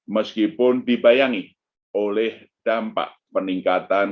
meskipun dibayangi oleh dampak peningkatan